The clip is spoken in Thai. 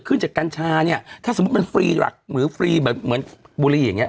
ขึ้นจากกัญชาเนี่ยถ้าสมมุติมันฟรีหลักหรือฟรีแบบเหมือนบุรีอย่างเงี